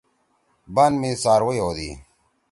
بان می څاروئی ہودی۔